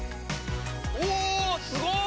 うおすごい！